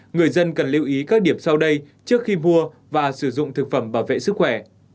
người dân cần lưu ý các điểm sau đây trước khi mua và sử dụng thực phẩm bảo vệ sức khỏe